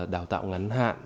đào tạo ngắn hạn